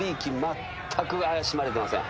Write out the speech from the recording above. まったく怪しまれてません。